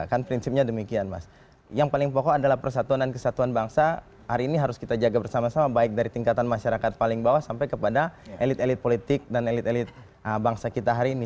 kan prinsipnya demikian mas yang paling pokok adalah persatuan dan kesatuan bangsa hari ini harus kita jaga bersama sama baik dari tingkatan masyarakat paling bawah sampai kepada elit elit politik dan elit elit bangsa kita hari ini